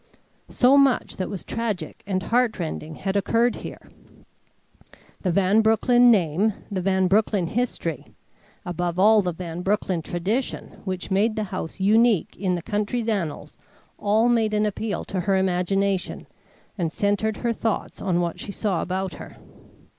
So much that was tragic and heartrending had occurred here. The Van Broecklyn name, the Van Broecklyn history, above all the Van Broecklyn tradition, which made the house unique in the country's annals, all made an appeal to her imagination, and centred her thoughts on what she saw about her.